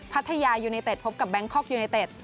พัทยายูเนเต็ดพบกับแบงคอกยูเนเต็ด